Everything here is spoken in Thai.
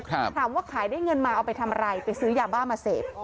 ถามว่าขายได้เงินมาเอาไปทำอะไรไปซื้อยาบ้ามาเสพ